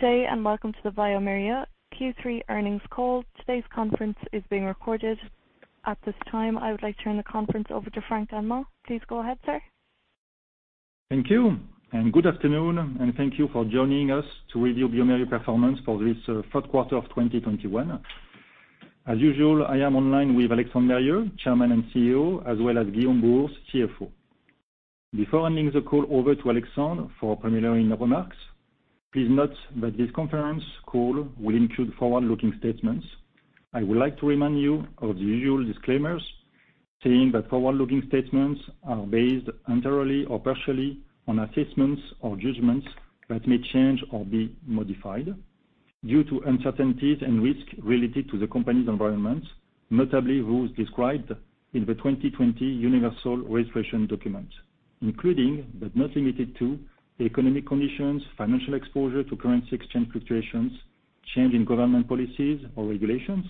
Good day, welcome to the bioMérieux Q3 earnings call. Today's conference is being recorded. At this time, I would like to turn the conference over to Frank Dunme. Please go ahead, sir. Thank you, good afternoon, and thank you for joining us to review bioMérieux performance for this third quarter of 2021. As usual, I am online with Alexandre Mérieux, Chairman and CEO, as well as Guillaume Bouhours, CFO. Before I hand the call over to Alexandre for preliminary remarks, please note that this conference call will include forward-looking statements. I would like to remind you of the usual disclaimers saying that forward-looking statements are based entirely or partially on assessments or judgments that may change or be modified due to uncertainties and risks related to the company's environment, notably those described in the 2020 Universal Registration Document, including, but not limited to, economic conditions, financial exposure to currency exchange fluctuations, changes in government policies or regulations,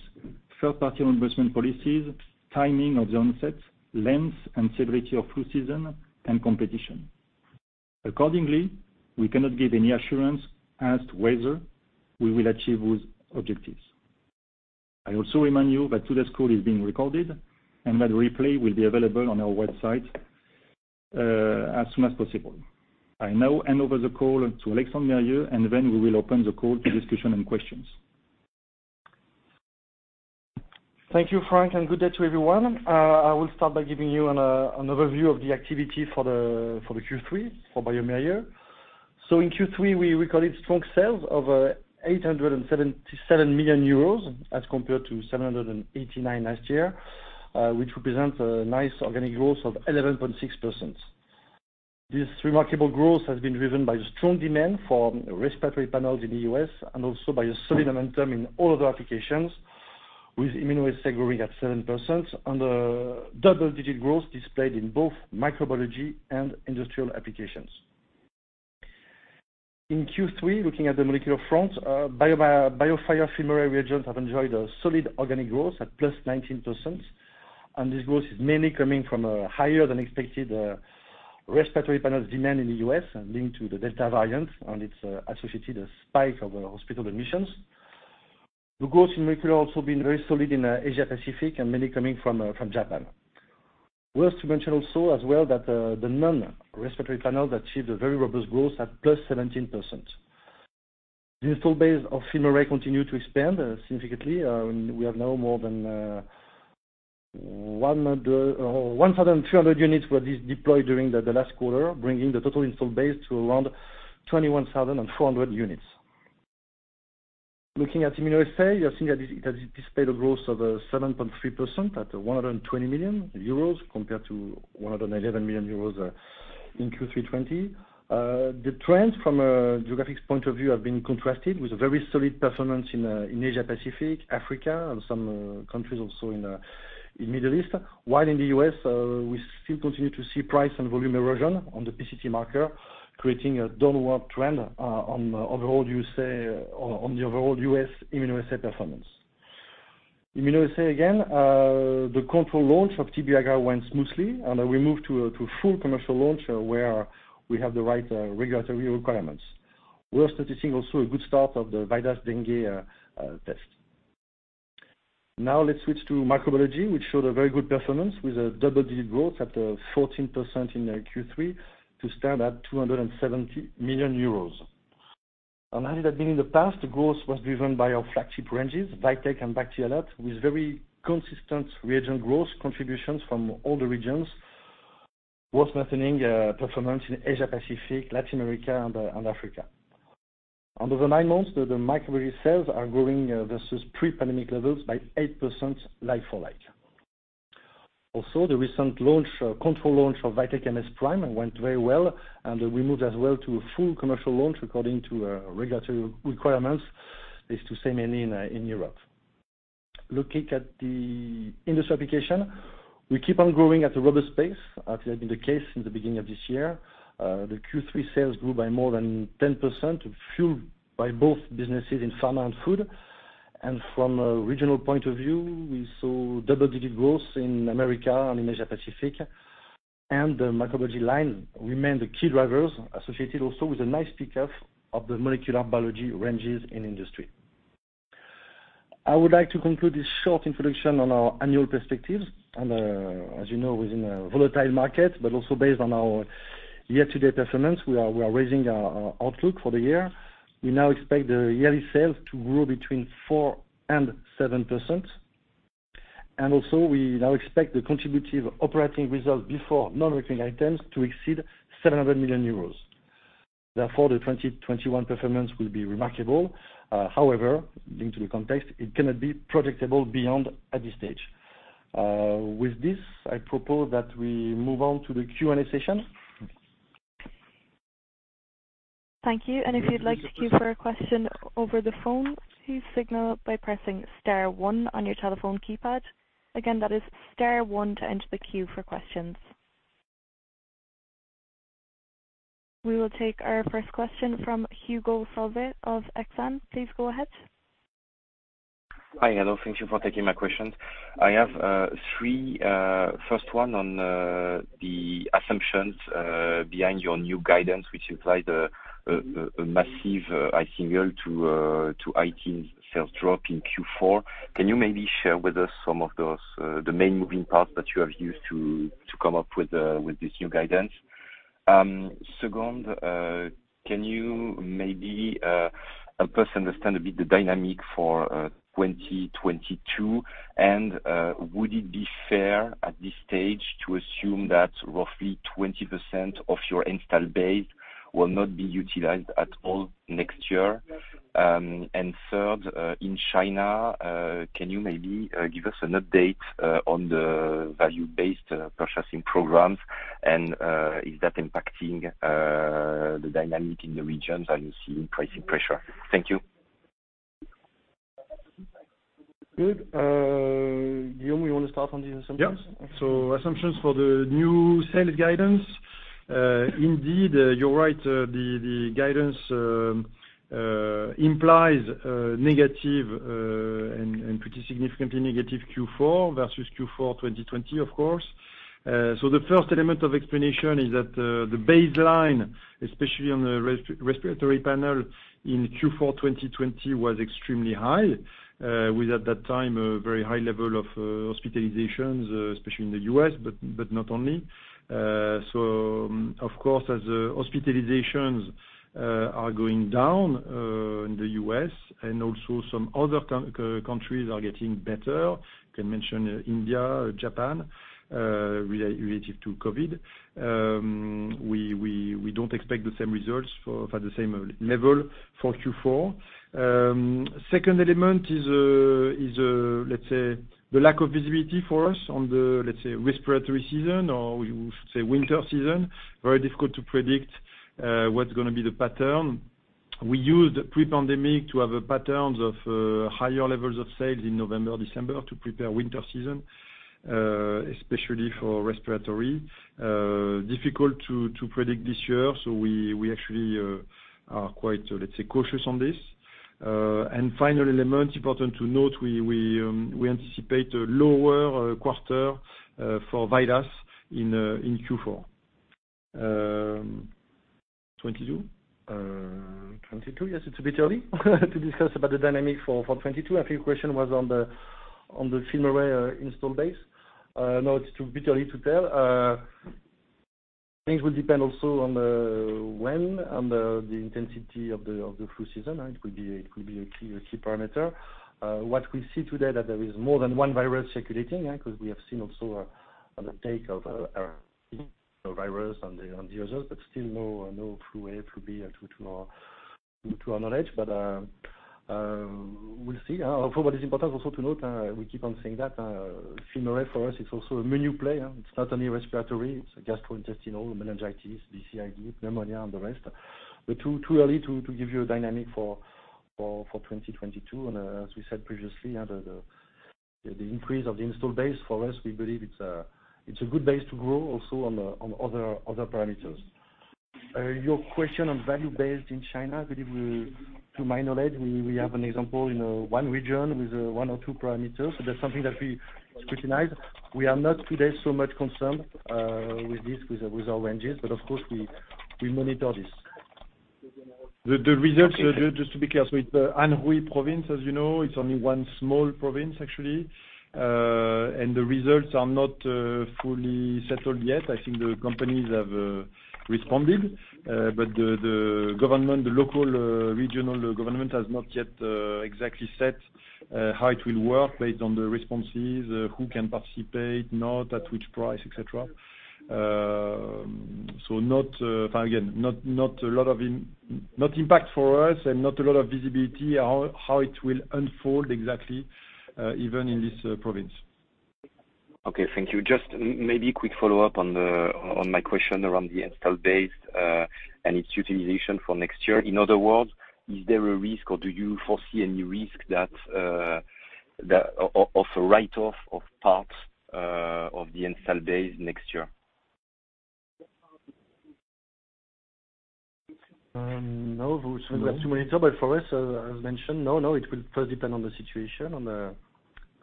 third-party reimbursement policies, timing of the onset, length and severity of flu season, and competition. Accordingly, we cannot give any assurance as to whether we will achieve those objectives. I also remind you that today's call is being recorded and that a replay will be available on our website as soon as possible. I now hand over the call to Alexandre Mérieux, and then we will open the call to discussion and questions. Thank you, Frank, and good day to everyone. I will start by giving you an overview of the activity for the Q3 for bioMérieux. In Q3, we recorded strong sales of 877 million euros as compared to 789 last year, which represents a nice organic growth of 11.6%. This remarkable growth has been driven by the strong demand for respiratory panels in the U.S. and also by a solid momentum in all other applications, with immunoassay growing at 7% and a double-digit growth displayed in both microbiology and industrial applications. In Q3, looking at the molecular front, BioFire FilmArray reagents have enjoyed a solid organic growth at plus 19%, and this growth is mainly coming from a higher-than-expected respiratory panels demand in the U.S. and linked to the Delta variant and its associated spike of hospital admissions. The growth in molecular has also been very solid in Asia Pacific and mainly coming from Japan. Worth to mention also as well that the non-respiratory panels achieved a very robust growth at +17%. The install base of FilmArray continued to expand significantly. We have now more than 1,300 units were deployed during the last quarter, bringing the total install base to around 21,400 units. Looking at immunoassay, you are seeing that it has displayed a growth of 7.3% at 120 million euros compared to 111 million euros in Q3 2020. The trends from a geographic point of view have been contrasted with a very solid performance in Asia Pacific, Africa, and some countries also in Middle East, while in the U.S., we still continue to see price and volume erosion on the PCT marker, creating a downward trend on the overall U.S. immunoassay performance. Immunoassay again, the control launch of VIDAS TB-IGRA went smoothly, and we moved to a full commercial launch where we have the right regulatory requirements. We are starting to see also a good start of the VIDAS DENGUE test. Now let's switch to microbiology, which showed a very good performance with a double-digit growth at 14% in Q3 to stand at 270 million euros. As has been in the past, growth was driven by our flagship ranges, VITEK and BACT/ALERT, with very consistent reagent growth contributions from all the regions, whilst maintaining performance in Asia Pacific, Latin America, and Africa. Under the nine months, the microbiology sales are growing versus pre-pandemic levels by 8% like-for-like. The recent control launch of VITEK MS PRIME went very well, and we moved as well to a full commercial launch according to regulatory requirements, at least to say mainly in Europe. Looking at the industry application, we keep on growing at a robust pace, as has been the case since the beginning of this year. The Q3 sales grew by more than 10%, fueled by both businesses in pharma and food. From a regional point of view, we saw double-digit growth in America and in Asia Pacific, and the microbiology line remained the key drivers associated also with a nice pick-up of the molecular biology ranges in industry. I would like to conclude this short introduction on our annual perspectives. As you know, we're in a volatile market, but also based on our year-to-date performance, we are raising our outlook for the year. We now expect the yearly sales to grow between 4% and 7%. Also, we now expect the contributive operating result before non-recurring items to exceed 700 million euros. Therefore, the 2021 performance will be remarkable. Linked to the context, it cannot be projectable beyond at this stage. With this, I propose that we move on to the Q&A session. Thank you. If you'd like to queue for a question over the phone, please signal by pressing star one on your telephone keypad. Again, that is star one to enter the queue for questions. We will take our first question from Hugo of Exane. Please go ahead. Hi, Alain. Thank you for taking my questions. I have three. First one on the assumptions behind your new guidance, which implies a massive IVD sales drop in Q4. Can you maybe share with us some of the main moving parts that you have used to come up with this new guidance? Second, can you maybe help us understand a bit the dynamic for 2022, and would it be fair at this stage to assume that roughly 20% of your install base will not be utilized at all next year? Third, in China, can you maybe give us an update on the Value-Based Purchasing programs, and is that impacting the dynamic in the region? Are you seeing pricing pressure? Thank you. Good. Guillaume, you want to start on the assumptions? Yeah. Assumptions for the new sales guidance. Indeed, you're right. The guidance implies a negative, and pretty significantly negative Q4 versus Q4 2020, of course. The first element of explanation is that the baseline, especially on the respiratory panel in Q4 2020, was extremely high, with, at that time, a very high level of hospitalizations, especially in the U.S., but not only. Of course, as hospitalizations are going down in the U.S. and also some other countries are getting better, you can mention India, Japan, relative to COVID. We don't expect the same results for the same level for Q4. Second element is, let's say, the lack of visibility for us on the, let's say, respiratory season, or we say winter season. Very difficult to predict what's going to be the pattern. We used pre-pandemic to have patterns of higher levels of sales in November, December to prepare winter season, especially for respiratory. Difficult to predict this year, so we actually are quite, let's say, cautious on this. Final element, important to note, we anticipate a lower quarter for VIDAS in Q4. 2022? 2022, yes, it's a bit early to discuss about the dynamic for 2022. I think your question was on the FilmArray install base. No, it's a bit early to tell. Things will depend also on the when and the intensity of the flu season. It could be a key parameter. What we see today that there is more than 1 virus circulating, because we have seen also an uptake of a virus on the others, but still no flu A, flu B to our knowledge. We'll see. Hopefully, what is important also to note, we keep on saying that FilmArray for us is also a menu play. It's not only respiratory, it's gastrointestinal, meningitis, BCID, pneumonia, and the rest. Too early to give you a dynamic for 2022. As we said previously, the increase of the install base for us, we believe it's a good base to grow also on other parameters. Your question on value based in China, I believe to my knowledge, we have an example in one region with one or two parameters. That's something that we scrutinize. We are not today so much concerned with this, with our ranges. Of course, we monitor this. The results, just to be clear, with Anhui Province, as you know, it's only one small province, actually. The results are not fully settled yet. I think the companies have responded. The government, the local regional government, has not yet exactly set how it will work based on the responses, who can participate, not, at which price, et cetera. Again, not impact for us and not a lot of visibility how it will unfold exactly, even in this province. Okay, thank you. Just maybe a quick follow-up on my question around the install base and its utilization for next year. In other words, is there a risk, or do you foresee any risk of a write-off of parts of the install base next year? No, we'll have to monitor. For us, as mentioned, no. It will first depend on the situation. I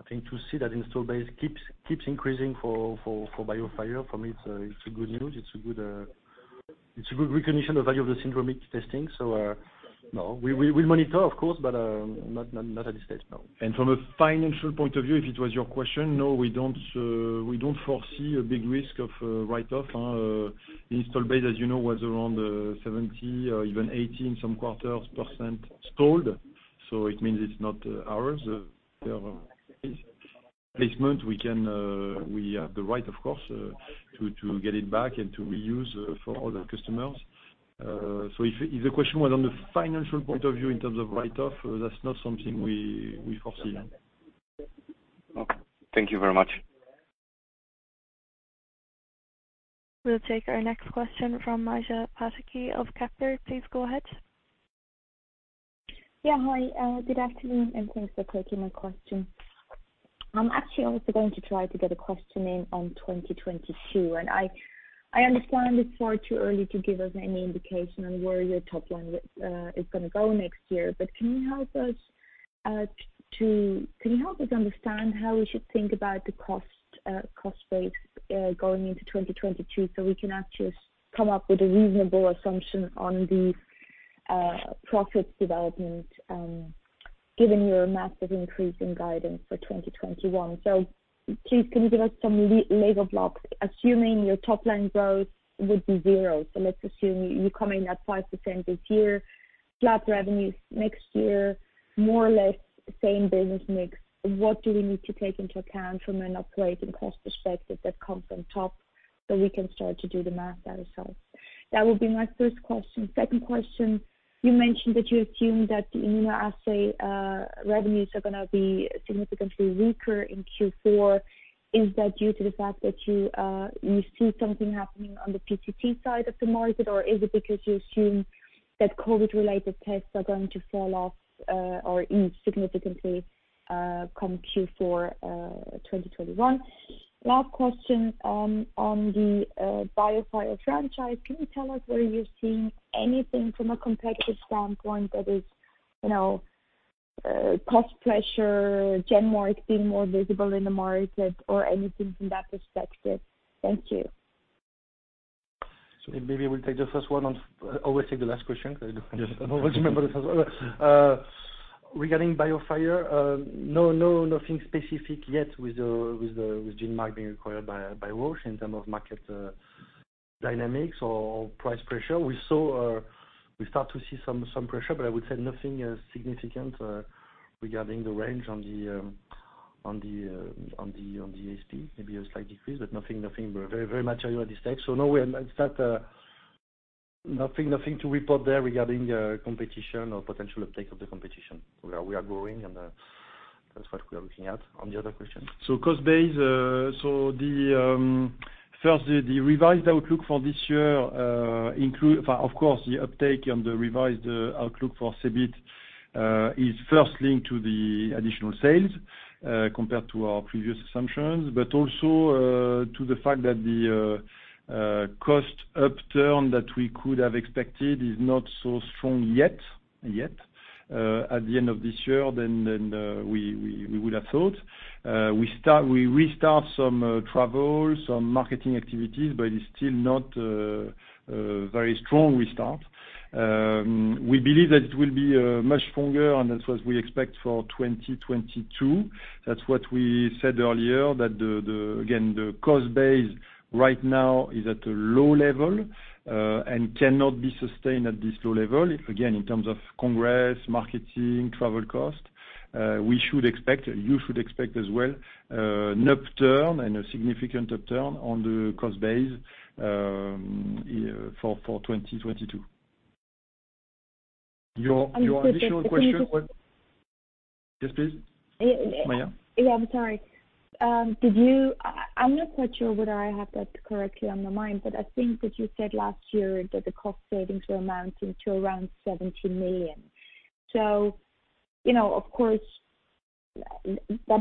think to see that install base keeps increasing for BioFire. For me, it's good news. It's a good recognition of value of the syndromic testing. No. We'll monitor, of course, but not at this stage, no. From a financial point of view, if it was your question, no, we don't foresee a big risk of write-off. Install base, as you know, was around 70% or even 80% in some quarters, installed. It means it's not ours. Placement, we have the right, of course, to get it back and to reuse for other customers. If the question was on the financial point of view in terms of write-off, that's not something we foresee. Okay. Thank you very much. We'll take our next question from Maja Pataki of Kepler. Please go ahead. Yeah, hi. Good afternoon, and thanks for taking my question. I'm actually also going to try to get a question in on 2022. I understand it's far too early to give us any indication on where your top line is going to go next year, but can you help us understand how we should think about the cost base going into 2022 so we can actually come up with a reasonable assumption on the profits development, given your massive increase in guidance for 2021? Please, can you give us some lever blocks, assuming your top-line growth would be zero? Let's assume you come in at 5% this year, flat revenues next year, more or less same business mix. What do we need to take into account from an operating cost perspective that comes from top so we can start to do the math ourselves? That would be my first question. Second question, you mentioned that you assume that the immunoassay revenues are going to be significantly weaker in Q4. Is that due to the fact that you see something happening on the PCT side of the market, or is it because you assume that COVID-related tests are going to fall off or in significantly come Q4 2021? Last question, on the BioFire franchise, can you tell us where you're seeing anything from a competitive standpoint that is cost pressure, GenMark being more visible in the market, or anything from that perspective? Thank you. Maybe I will take the first one and always take the last question, because I don't always remember the first one. Regarding BioFire, no nothing specific yet with GenMark being acquired by Roche in terms of market dynamics or price pressure. We start to see some pressure, but I would say nothing significant regarding the range on the ASP, maybe a slight decrease, but nothing very material at this stage. No, nothing to report there regarding competition or potential uptake of the competition. We are growing, and that's what we are looking at. On the other question? Cost base. First, the revised outlook for this year. Of course, the uptake on the revised outlook for EBIT is first linked to the additional sales compared to our previous assumptions, but also to the fact that the cost upturn that we could have expected is not so strong yet at the end of this year than we would have thought. We restart some travel, some marketing activities, but it's still not a very strong restart. We believe that it will be much stronger, and that's what we expect for 2022. That's what we said earlier, that again, the cost base right now is at a low level and cannot be sustained at this low level. Again, in terms of congress, marketing, travel cost, we should expect, you should expect as well, an upturn and a significant upturn on the cost base for 2022. Your additional question was. I'm sorry, just. Yes, please, Maja. Yeah, I'm sorry. I'm not quite sure whether I have that correctly on my mind, but I think that you said last year that the cost savings were amounting to around 70 million. Of course, that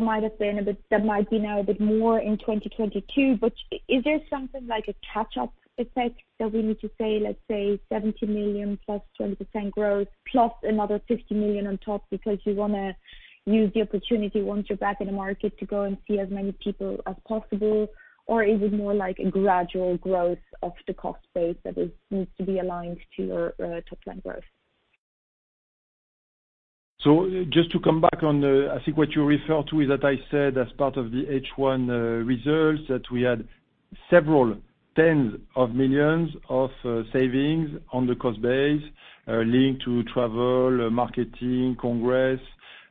might be now a bit more in 2022, but is there something like a catch-up effect that we need to say, let's say, 70 million plus 20% growth plus another 50 million on top because you want to use the opportunity once you're back in the market to go and see as many people as possible? Is it more like a gradual growth of the cost base that needs to be aligned to your top-line growth? Just to come back on the, I think what you refer to is that I said as part of the H1 results that we had several tens of millions of savings on the cost base linked to travel, marketing, congress,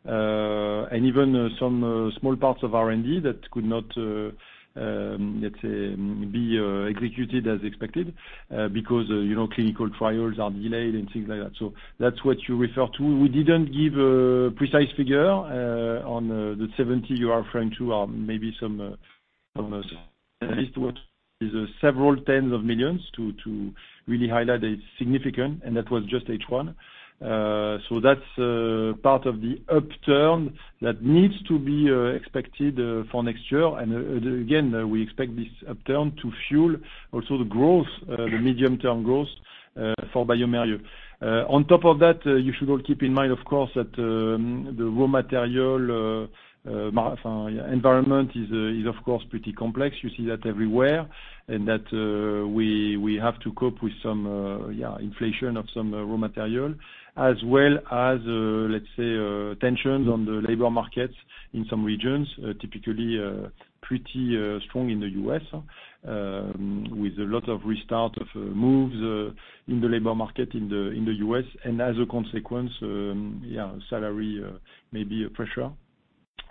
and even some small parts of R&D that could not, let's say, be executed as expected because clinical trials are delayed and things like that. That's what you refer to. We didn't give a precise figure on the 70 you are referring to, or maybe some at least what is several tens of millions to really highlight it's significant, and that was just H1. That's part of the upturn that needs to be expected for next year. Again, we expect this upturn to fuel also the growth, the medium-term growth for bioMérieux. On top of that, you should all keep in mind, of course, that the raw material environment is of course pretty complex. You see that everywhere, that we have to cope with some inflation of some raw material, as well as, let's say, tensions on the labor markets in some regions, typically pretty strong in the U.S., with a lot of restart of moves in the labor market in the U.S. As a consequence, salary may be a pressure.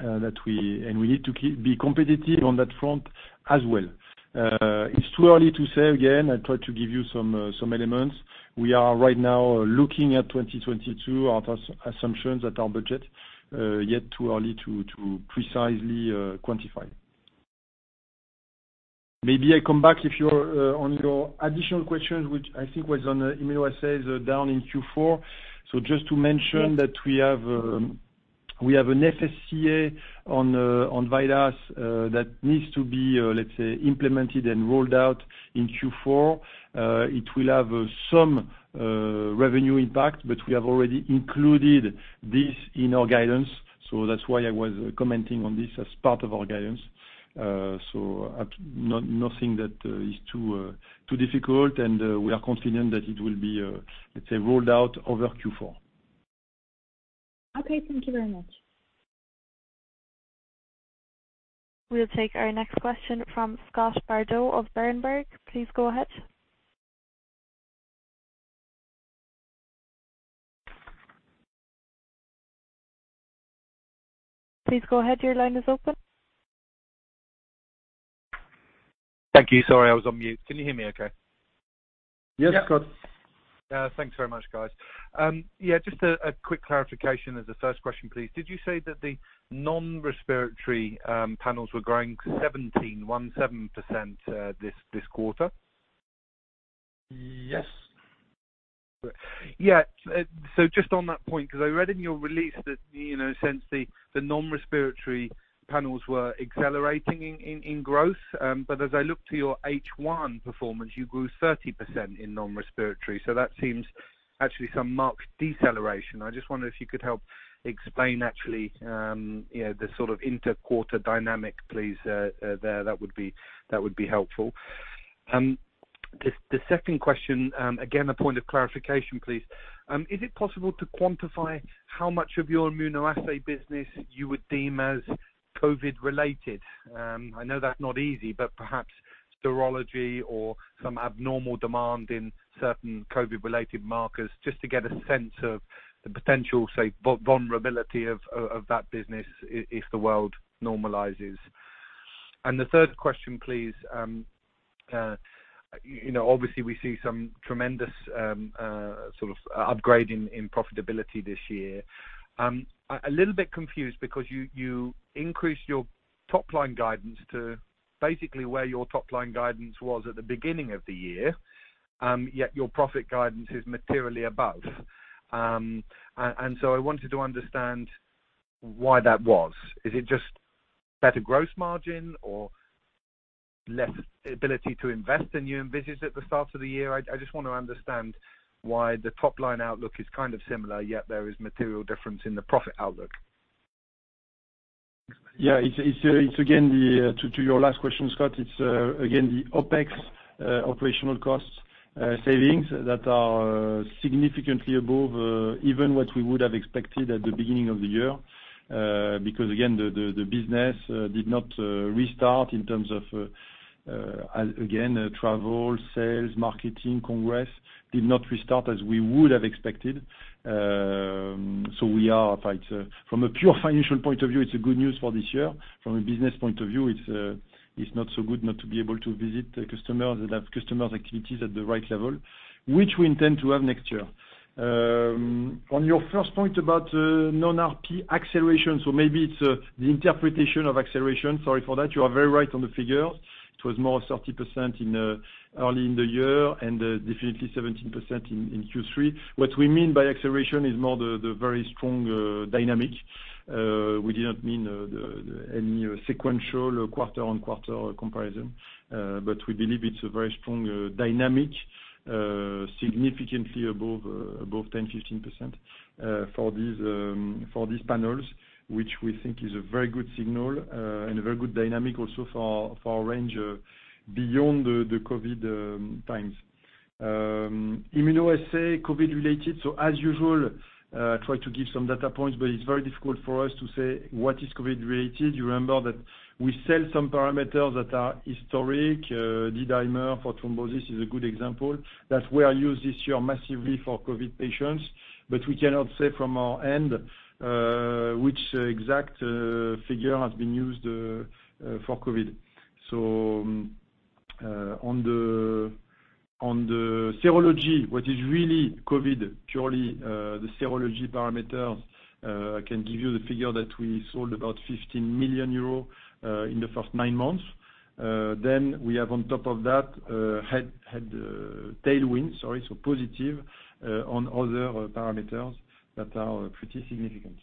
We need to be competitive on that front as well. It's too early to say again. I try to give you some elements. We are right now looking at 2022, at assumptions at our budget, yet too early to precisely quantify. Maybe I come back on your additional questions, which I think was on immunoassay down in Q4. Just to mention that we have an FSCA on VIDAS that needs to be, let's say, implemented and rolled out in Q4. It will have some revenue impact, but we have already included this in our guidance. That's why I was commenting on this as part of our guidance. Nothing that is too difficult, and we are confident that it will be, let's say, rolled out over Q4. Okay, thank you very much. We'll take our next question from Scott Bardo of Berenberg. Thank you. Sorry, I was on mute. Can you hear me okay? Yes, Scott. Thanks very much, guys. Yeah, just a quick clarification as a first question, please. Did you say that the non-respiratory panels were growing 17% this quarter? Yes. Yeah. Just on that point, because I read in your release that, since the non-respiratory panels were accelerating in growth, but as I look to your H1 performance, you grew 30% in non-respiratory. That seems actually some marked deceleration. I just wonder if you could help explain actually the sort of inter-quarter dynamic, please, there. That would be helpful. The second question, again, a point of clarification, please. Is it possible to quantify how much of your immunoassay business you would deem as COVID-related? I know that's not easy, but perhaps serology or some abnormal demand in certain COVID-related markers, just to get a sense of the potential, say, vulnerability of that business if the world normalizes. The third question, please. Obviously, we see some tremendous sort of upgrade in profitability this year. A little bit confused because you increased your top-line guidance to basically where your top-line guidance was at the beginning of the year, yet your profit guidance is materially above. I wanted to understand why that was. Is it just better gross margin or less ability to invest than you envisaged at the start of the year? I just want to understand why the top-line outlook is kind of similar, yet there is material difference in the profit outlook. Yeah. To your last question, Scott Bardo, it's again, the OPEX operational cost savings that are significantly above even what we would have expected at the beginning of the year. Again, the business did not restart in terms of travel, sales, marketing, congress, did not restart as we would have expected. From a pure financial point of view, it's a good news for this year. From a business point of view, it's not so good not to be able to visit customers and have customer activities at the right level, which we intend to have next year. On your first point about non-respiratory acceleration. Maybe it's the interpretation of acceleration. Sorry for that. You are very right on the figure. It was more of 30% early in the year and definitely 17% in Q3. What we mean by acceleration is more the very strong dynamic. We did not mean any sequential quarter on quarter comparison. We believe it's a very strong dynamic, significantly above 10%-15% for these panels, which we think is a very good signal and a very good dynamic also for our range beyond the COVID times. Immunoassay, COVID-related. As usual, try to give some data points, but it's very difficult for us to say what is COVID-related. You remember that we sell some parameters that are historic. D-dimer for thrombosis is a good example that were used this year massively for COVID patients. We cannot say from our end which exact figure has been used for COVID. On the serology, what is really COVID, purely the serology parameters, I can give you the figure that we sold about 15 million euros in the first 9 months. We have on top of that had tailwind, sorry, so positive on other parameters that are pretty significant.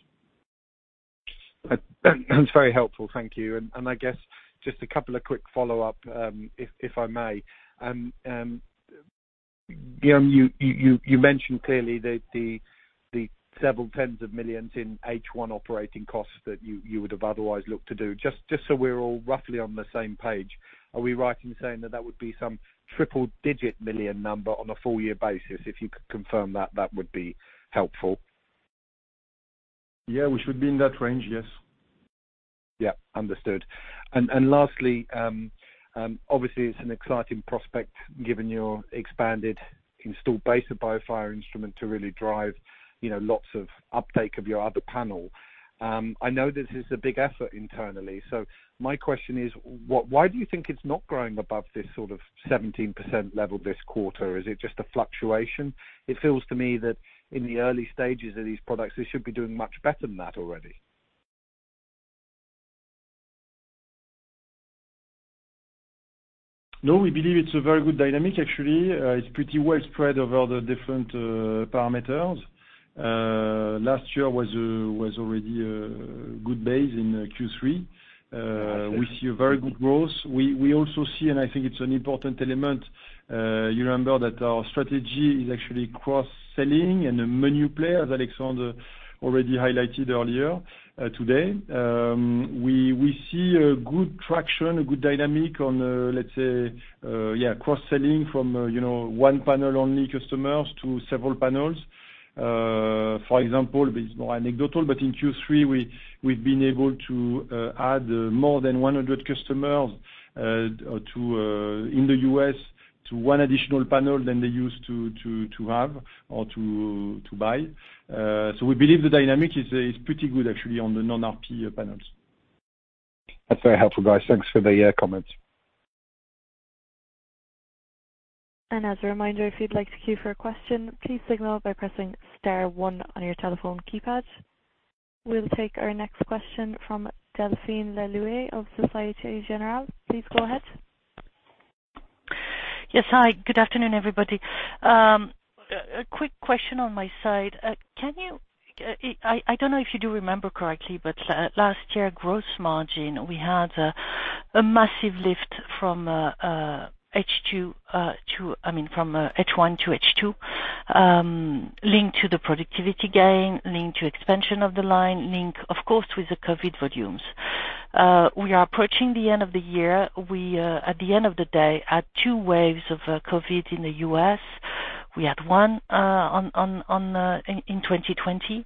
That's very helpful. Thank you. I guess just a couple of quick follow-up, if I may. Guillaume, you mentioned clearly that the EUR several tens of millions in H1 operating costs that you would have otherwise looked to do. Just so we're all roughly on the same page, are we right in saying that that would be some EUR triple digit million number on a full year basis? If you could confirm that would be helpful. Yeah, we should be in that range. Yes. Yeah. Understood. Lastly, obviously it's an exciting prospect given your expanded installed base of BioFire instrument to really drive lots of uptake of your other panel. I know this is a big effort internally. My question is, why do you think it's not growing above this sort of 17% level this quarter? Is it just a fluctuation? It feels to me that in the early stages of these products, they should be doing much better than that already. We believe it's a very good dynamic, actually. It's pretty well spread over the different parameters. Last year was already a good base in Q3. We see a very good growth. We also see, I think it's an important element, you remember that our strategy is actually cross-selling and a menu player, as Alexandre already highlighted earlier today. We see a good traction, a good dynamic on, let's say, cross-selling from one panel only customers to several panels. For example, it's more anecdotal, in Q3, we've been able to add more than 100 customers in the U.S., to one additional panel than they used to have or to buy. We believe the dynamic is pretty good actually on the non-respiratory panels. That's very helpful, guys. Thanks for the comments. As a reminder, if you'd like to queue for a question, please signal by pressing star one on your telephone keypad. We'll take our next question from Delphine Lellouch of Societe Generale. Please go ahead. Yes. Hi, good afternoon, everybody. A quick question on my side. I don't know if you do remember correctly, last year, gross margin, we had a massive lift from H1 to H2, linked to the productivity gain, linked to expansion of the line, linked, of course, with the COVID volumes. We are approaching the end of the year. We, at the end of the day, had two waves of COVID in the U.S. We had one in 2020.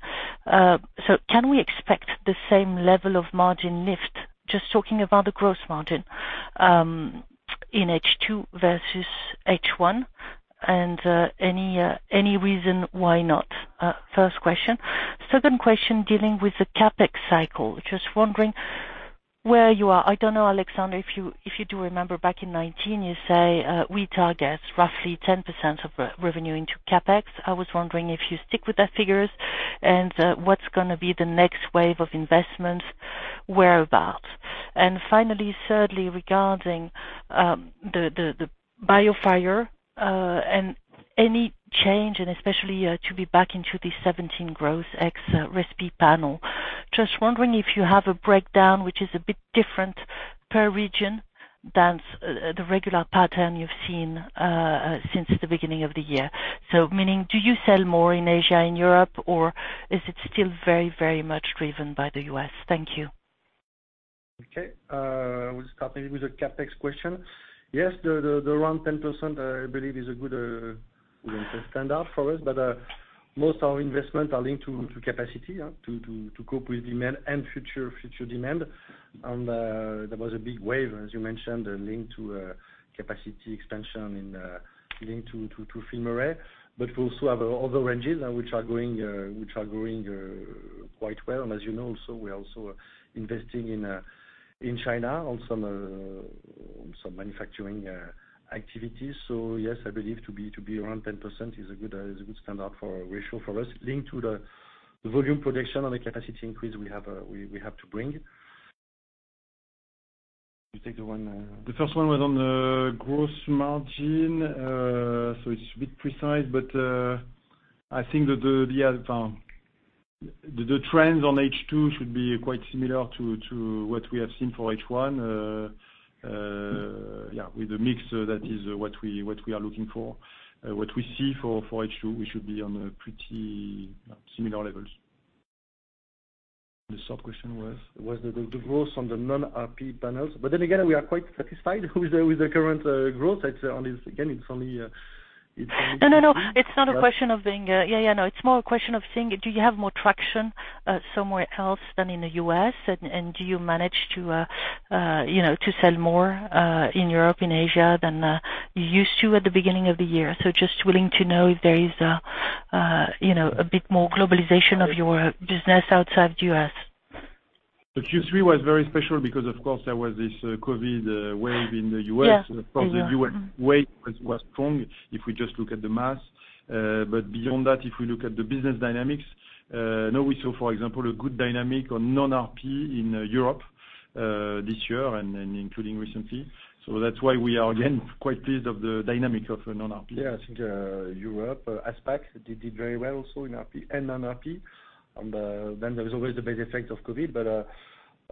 Can we expect the same level of margin lift, just talking about the gross margin, in H2 versus H1, and any reason why not? First question. Second question dealing with the CapEx cycle. Just wondering where you are. I don't know, Alexandre, if you do remember back in 2019, you say, we target roughly 10% of revenue into CapEx. I was wondering if you stick with the figures and what's going to be the next wave of investments, whereabouts. Finally, thirdly, regarding the BioFire and any change and especially to be back into the 17 gross ex-respi panel. Just wondering if you have a breakdown which is a bit different per region than the regular pattern you've seen since the beginning of the year. Meaning, do you sell more in Asia, in Europe, or is it still very much driven by the U.S.? Thank you. Okay. We'll start maybe with the CapEx question. Yes, around 10%, I believe is a good standard for us. Most our investment are linked to capacity to cope with demand and future demand. There was a big wave, as you mentioned, linked to capacity expansion and linked to FilmArray. We also have other ranges which are growing quite well. As you know also, we're also investing in China on some manufacturing activities. Yes, I believe to be around 10% is a good standard for ratio for us linked to the volume production and the capacity increase we have to bring. The first one was on the gross margin. It's a bit precise, but I think that the trends on H2 should be quite similar to what we have seen for H1. Yeah, with the mix, that is what we are looking for. What we see for H2, we should be on pretty similar levels. The sub-question was the growth on the non-respiratory panels. Again, we are quite satisfied with the current growth. Again, it's only. No, it's not a question of being, yeah, it's more a question of saying, do you have more traction somewhere else than in the U.S., and do you manage to sell more in Europe, in Asia than you used to at the beginning of the year? Just willing to know if there is a bit more globalization of your business outside the U.S. The Q3 was very special because of course there was this COVID wave in the U.S. Yeah. From the U.S. wave was strong, if we just look at the mass. Beyond that, if we look at the business dynamics, now we saw, for example, a good dynamic on non-respiratory in Europe this year and including recently. That's why we are again, quite pleased of the dynamic of non-respiratory. Yeah, I think Europe, ASPAC did very well also in RP and non-respiratory, and then there was always the base effect of COVID.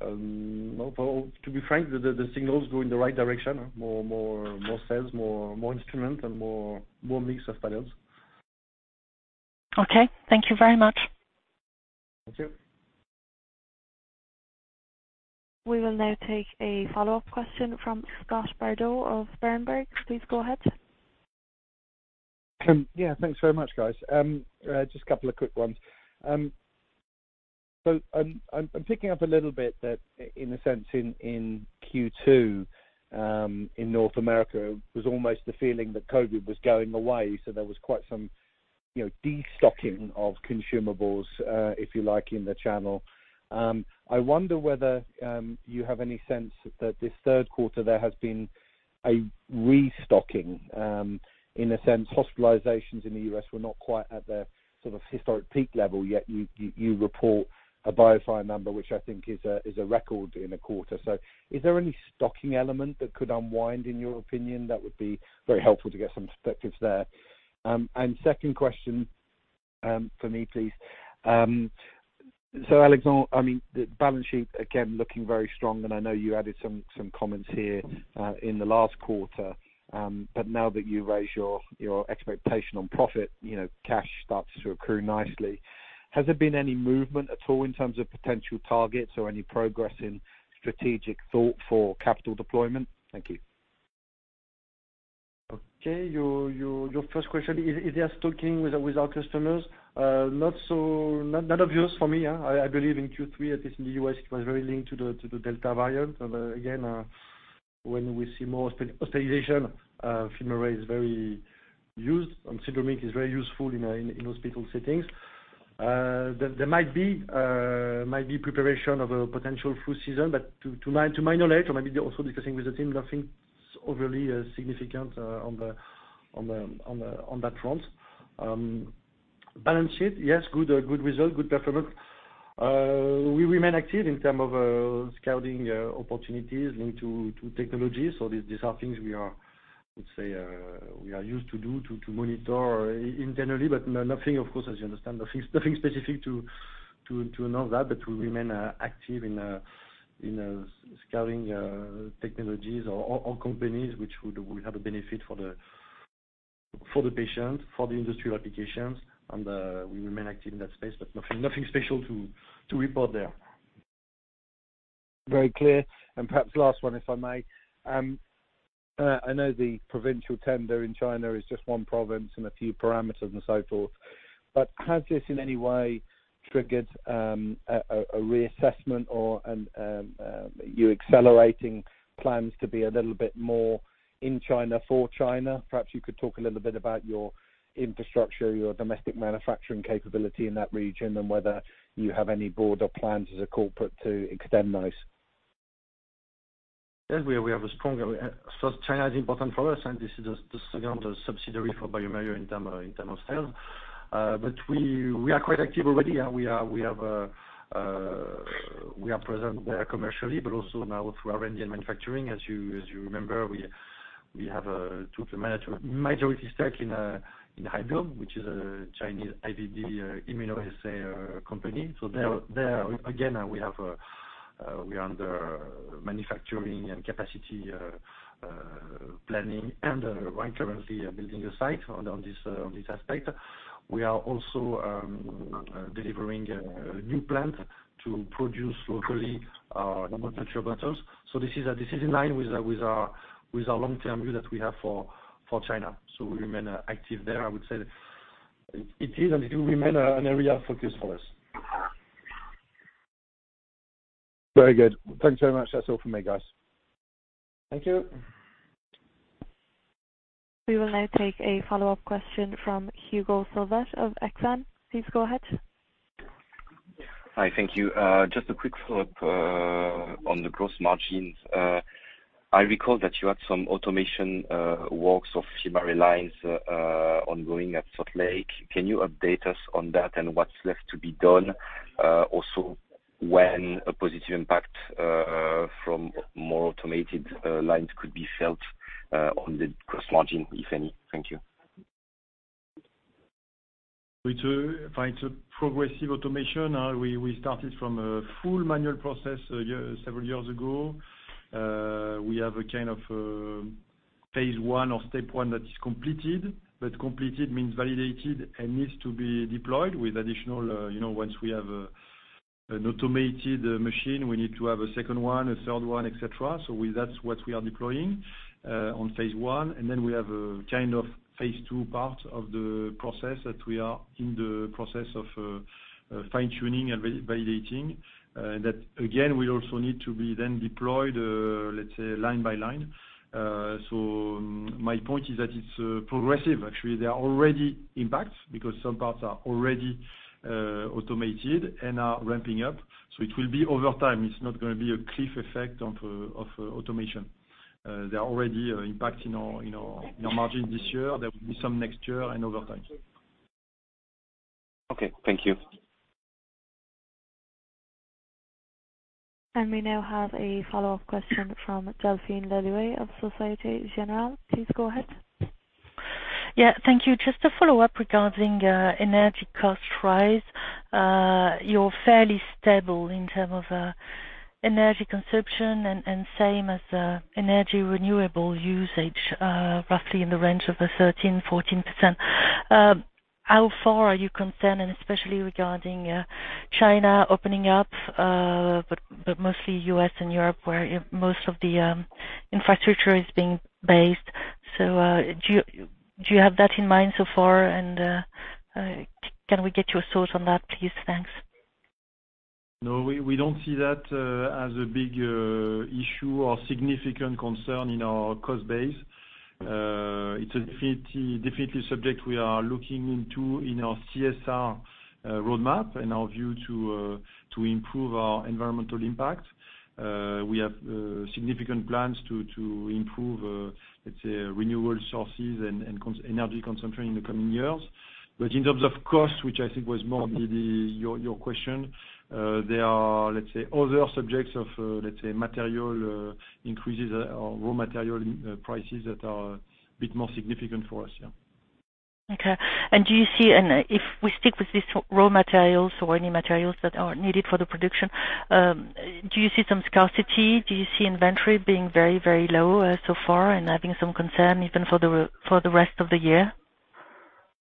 To be frank, the signals go in the right direction. More sales, more instrument and more mix of panels. Okay. Thank you very much. Thank you. We will now take a follow-up question from Scott Bardo of Berenberg. Please go ahead. Thanks very much, guys. Just a couple of quick ones. I'm picking up a little bit that in a sense in Q2, in North America, it was almost the feeling that COVID was going away, so there was quite some destocking of consumables, if you like, in the channel. I wonder whether you have any sense that this third quarter there has been a restocking. In a sense, hospitalizations in the U.S. were not quite at their sort of historic peak level yet. You report a BioFire number, which I think is a record in a quarter. Is there any stocking element that could unwind, in your opinion? That would be very helpful to get some perspectives there. Second question for me, please. Alexandre, the balance sheet, again, looking very strong, and I know you added some comments here in the last quarter. Now that you raised your expectation on profit, cash starts to accrue nicely. Has there been any movement at all in terms of potential targets or any progress in strategic thought for capital deployment? Thank you. Okay. Your first question, is there stocking with our customers? Not obvious for me. I believe in Q3, at least in the U.S., it was very linked to the Delta variant. Again, when we see more hospitalization, FilmArray is very used and syndromic testing is very useful in hospital settings. There might be preparation of a potential flu season, to my knowledge, or maybe they're also discussing with the team, nothing overly significant on that front. Balance sheet, yes, good result, good performance. We remain active in terms of scouting opportunities linked to technologies. These are things we are used to do to monitor internally, nothing, of course, as you understand, nothing specific to announce that. We remain active in scouting technologies or companies which would have a benefit for the patient, for the industrial applications, and we remain active in that space. Nothing special to report there. Very clear. Perhaps last one, if I may. I know the provincial tender in China is just one province and a few parameters and so forth. Has this, in any way, triggered a reassessment or you accelerating plans to be a little bit more in China for China? Perhaps you could talk a little bit about your infrastructure, your domestic manufacturing capability in that region, and whether you have any broader plans as a corporate to extend those. Yes, we have a strong. China is important for us, and this is the second subsidiary for bioMérieux in terms of sales. We are quite active already. We are present there commercially, but also now through our Indian manufacturing. As you remember, we have a majority stake in Hybiome, which is a Chinese IVD immunoassay company. There, again, we are under manufacturing and capacity planning and are currently building a site on this aspect. We are also delivering a new plant to produce locally our culture bottles. This is in line with our long-term view that we have for China. We remain active there. I would say that it is and it will remain an area of focus for us. Very good. Thanks very much. That's all from me, guys. Thank you. We will now take a follow-up question from Hugo solvet of Exane. Please go ahead. Hi. Thank you. Just a quick follow-up on the gross margins. I recall that you had some automation works of FilmArray lines ongoing at Salt Lake. Can you update us on that and what's left to be done? Also when a positive impact from more automated lines could be felt on the gross margin, if any. Thank you. It's a progressive automation. We started from a full manual process several years ago. We have a kind of phase one or stepone that is completed, but completed means validated and needs to be deployed. Once we have an automated machine, we need to have a second one, a third one, et cetera. That's what we are deploying on phase one, and then we have a kind of phase two part of the process that we are in the process of fine-tuning and validating. That, again, will also need to be then deployed, let's say line by line. My point is that it's progressive, actually. There are already impacts because some parts are already automated and are ramping up. It will be over time. It's not going to be a cliff effect of automation. They are already impacting our margin this year. There will be some next year and over time. Okay. Thank you. We now have a follow-up question from Delphine Lellouch of Societe Generale. Please go ahead. Yeah. Thank you. Just a follow-up regarding energy cost rise. You're fairly stable in terms of energy consumption and same as energy renewable usage, roughly in the range of 13%-14%. How far are you concerned, and especially regarding China opening up, but mostly U.S. and Europe, where most of the infrastructure is being based. Do you have that in mind so far? Can we get your thoughts on that, please? Thanks. We don't see that as a big issue or significant concern in our cost base. It's definitely a subject we are looking into in our CSR roadmap and our view to improve our environmental impact. We have significant plans to improve, let's say, renewable sources and energy consumption in the coming years. In terms of cost, which I think was more your question, there are, let's say, other subjects of material increases or raw material prices that are a bit more significant for us, yeah. Okay. If we stick with these raw materials or any materials that are needed for the production, do you see some scarcity? Do you see inventory being very, very low so far and having some concern even for the rest of the year?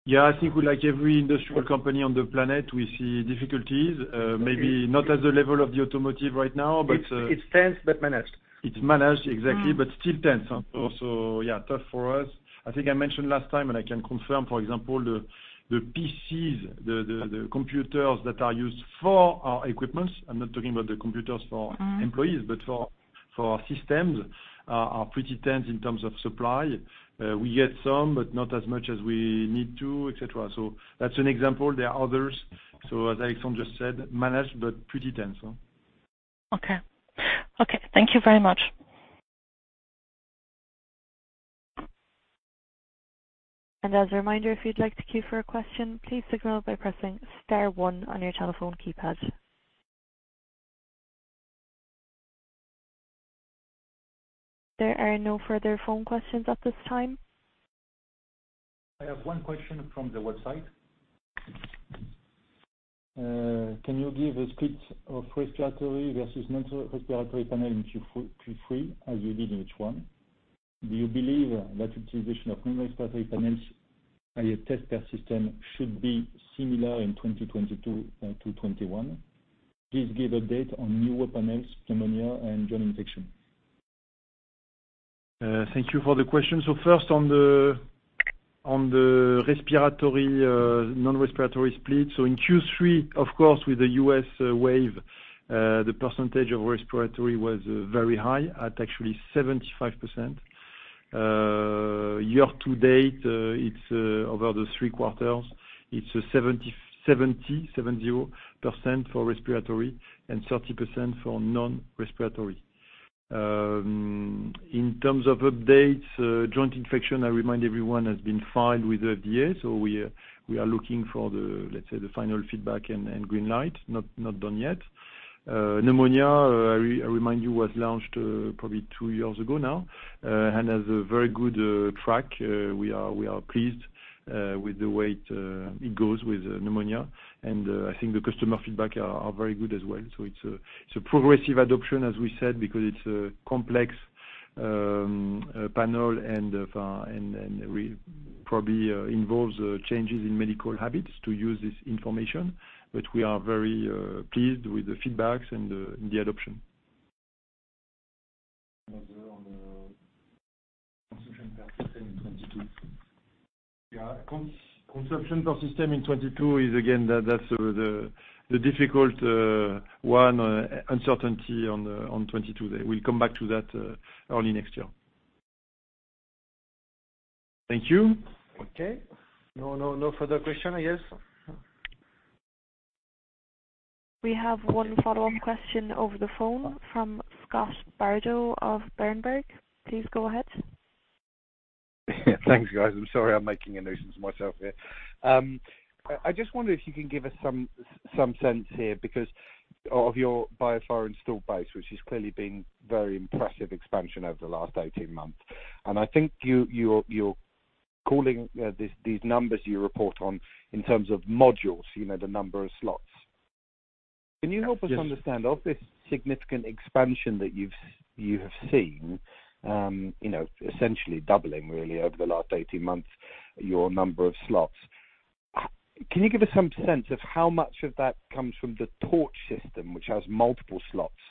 Yeah, I think like every industrial company on the planet, we see difficulties. Maybe not at the level of the automotive right now. It's tense, but managed. It's managed, exactly, but still tense. Also, yeah, tough for us. I think I mentioned last time, and I can confirm, for example, the PCs, the computers that are used for our equipments. I'm not talking about the computers for employees, but for our systems, are pretty tense in terms of supply. We get some, but not as much as we need to, et cetera. That's an example. There are others. As Alexandre just said, managed but pretty tense. Okay. Thank you very much. As a reminder, if you'd like to queue for a question, please signal by pressing star one on your telephone keypad. There are no further phone questions at this time. I have one question from the website. Can you give a split of respiratory versus non-respiratory panel in Q3 as you did in Q1? Do you believe that utilization of non-respiratory panels, test per system should be similar in 2022 to 2021? Please give update on newer panels, pneumonia, and joint infection. Thank you for the question. First, on the respiratory, non-respiratory split. In Q3, of course, with the U.S. wave, the percentage of respiratory was very high at actually 75%. Year-to-date, it's over the three quarters. It's 70% for respiratory and 30% for non-respiratory. In terms of updates, Joint Infection, I remind everyone, has been filed with the FDA, so we are looking for the, let's say, the final feedback and green light. Not done yet. Pneumonia, I remind you, was launched probably two years ago now, and has a very good track. We are pleased with the way it goes with pneumonia, and I think the customer feedback are very good as well. It's a progressive adoption, as we said, because it's a complex panel and we probably involves changes in medical habits to use this information. We are very pleased with the feedbacks and the adoption. On the consumption per system in 2022. Yeah. Consumption per system in 2022 is again, that's the difficult one, uncertainty on 2022. We'll come back to that early next year. Thank you. Okay. No further question, I guess. We have one follow-on question over the phone from Scott Bardo of Berenberg. Please go ahead. Thanks, guys. I'm sorry, I'm making a nuisance of myself here. I just wonder if you can give us some sense here, because of your bioMérieux install base, which has clearly been very impressive expansion over the last 18 months. I think you're calling these numbers you report on in terms of modules, the number of slots. Can you help us understand, of this significant expansion that you have seen, essentially doubling really over the last 18 months, your number of slots? Can you give us some sense of how much of that comes from the TORCH system, which has multiple slots,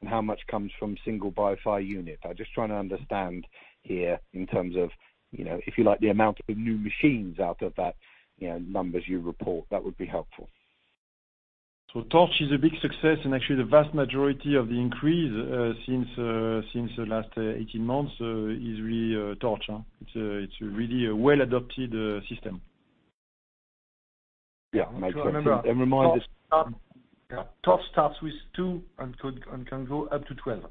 and how much comes from single bioMérieux unit? I'm just trying to understand here in terms of, if you like, the amount of new machines out of that numbers you report. That would be helpful. TORCH is a big success and actually the vast majority of the increase since the last 18 months is really TORCH. It's really a well-adopted system. Yeah, makes sense. Remind us. TORCH starts with two and can go up to 12.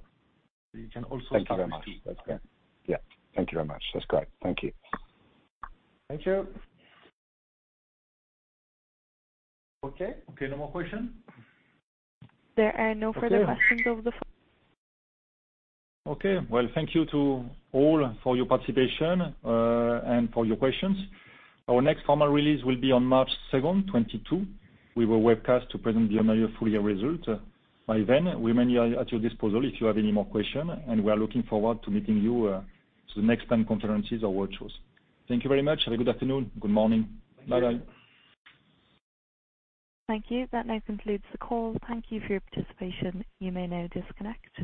It can also start with three. Thank you very much. That's great. Yeah. Thank you very much. That's great. Thank you. Thank you. Okay. No more question? There are no further questions over the phone. Okay. Well, thank you to all for your participation and for your questions. Our next formal release will be on March 2nd, 2022. We will webcast to present the annual full year result. By then, we remain at your disposal if you have any more questions. We are looking forward to meeting you to the next time conferences or workshops. Thank you very much. Have a good afternoon. Good morning. Bye-bye. Thank you. That now concludes the call. Thank you for your participation. You may now disconnect.